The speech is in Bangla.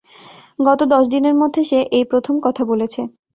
গত দশ দিনের মধ্যে সে এই প্রথম কথা বলেছে।